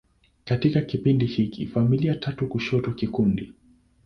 Katika kipindi hiki, familia tatu kushoto kikundi.